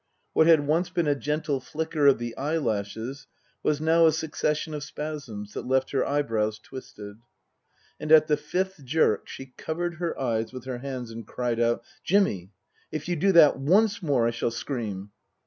What had once been a gentle flicker of the eyelashes was now a succession of spasms that left her eyebrows twisted. And at the fifth jerk she covered her eyes with her hands and cried out, " Jimmy, if you do that once more I shall scream."